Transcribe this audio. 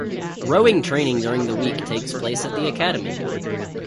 Rowing training during the week takes place at the Academy.